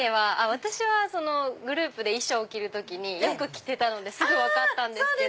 私はグループで衣装を着る時によく着てたのですぐ分かったんですけど。